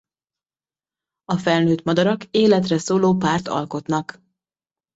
A felnőtt madarak életre szóló párt alkotnak.